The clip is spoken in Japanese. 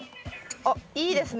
おっいいですね。